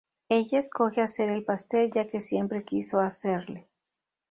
Ella escoge hacer el pastel ya que siempre quiso hacerle.